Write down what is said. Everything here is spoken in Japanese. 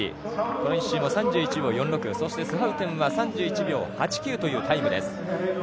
この１周も３１秒４６スハウテンは３１秒８９というタイムです。